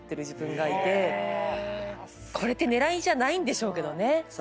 これって狙いじゃないんでしょうけどね。